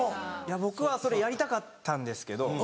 僕はそれやりたかったんですけど。